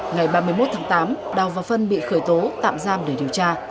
ngày ba mươi một tháng tám đào và phân bị khởi tố tạm giam để điều tra